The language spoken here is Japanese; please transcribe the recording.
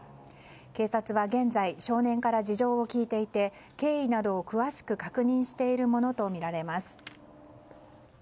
警察は現在少年から事情を聴いていて経緯などを詳しく確認しているものとみられます。